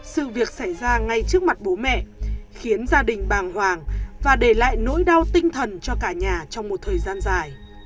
sự việc xảy ra ngay trước mặt bố mẹ khiến gia đình bàng hoàng và để lại nỗi đau tinh thần cho cả nhà trong một thời gian dài